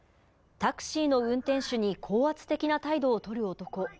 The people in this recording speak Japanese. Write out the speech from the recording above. タクシーの運転手に高圧的な態度を取る男。